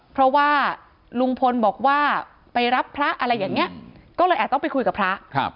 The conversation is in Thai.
เพราะว่าลุงพลบอกว่าไปรับพระอะไรอย่างนี้ก็เลยอาจต้องไปคุยกับพระ